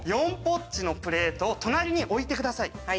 ４ポッチのプレートを隣に置いてください。